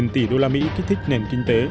một tỷ usd kích thích nền kinh tế